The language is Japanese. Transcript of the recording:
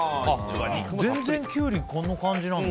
全然、キュウリこの感じなんだ。